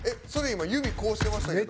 今指こうしてましたけど。